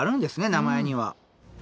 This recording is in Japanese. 名前には。